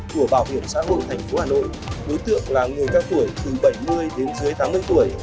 của bảo hiểm xã hội tp hà nội đối tượng là người cao tuổi từ bảy mươi đến dưới tám mươi tuổi